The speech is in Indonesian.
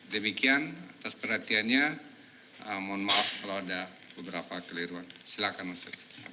demikian atas perhatiannya mohon maaf kalau ada beberapa keliruan silakan mas rief